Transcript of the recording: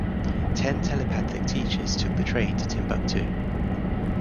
Ten telepathic teachers took the train to timbuktu